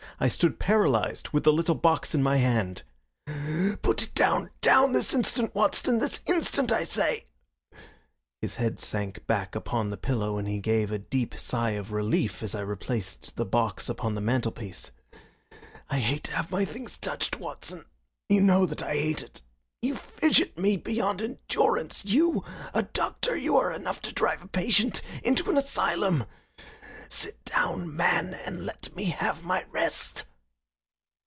I stood paralyzed, with the little box in my hand. "Put it down! Down, this instant, Watson this instant, I say!" His head sank back upon the pillow and he gave a deep sigh of relief as I replaced the box upon the mantelpiece. "I hate to have my things touched, Watson. You know that I hate it. You fidget me beyond endurance. You, a doctor you are enough to drive a patient into an asylum. Sit down, man, and let me have my rest!"